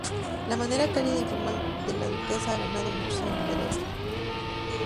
La manera cálida e informal de la duquesa ha ganado muchos admiradores.